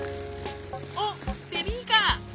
あっベビーカー！